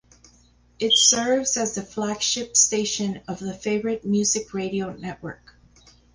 It serves as the flagship station of the Favorite Music Radio network.